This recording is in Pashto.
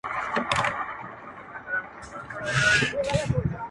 o شرم ئې کوت، بېخ ئې خوت.